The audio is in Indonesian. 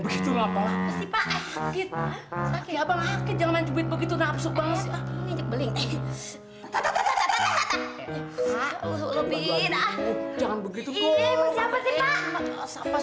sampai jumpa di video selanjutnya